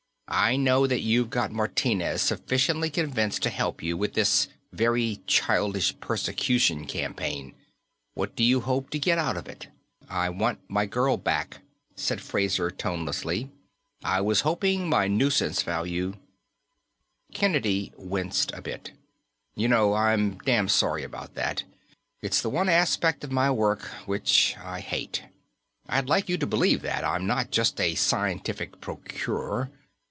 I know that you've got Martinez sufficiently convinced to help you with this very childish persecution campaign. What do you hope to get out of it?" "I want my girl back," said Fraser tonelessly. "I was hoping my nuisance value "Kennedy winced a bit. "You know, I'm damned sorry about that. It's the one aspect of my work which I hate. I'd like you to believe that I'm not just a scientific procurer.